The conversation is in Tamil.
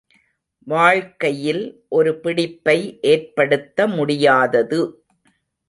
வாழ்க்கையில் ஒரு பிடிப்பை ஏற்படுத்த முடியாதது.